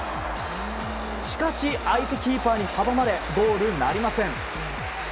しかし、相手キーパーに阻まれゴールなりません。